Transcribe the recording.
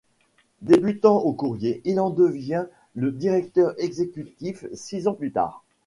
Débutant au courrier, il en devient le directeur exécutif six ans plus tard.